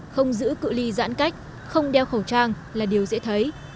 không giữ cự li giãn cách không đeo khẩu trang là điều dễ thấy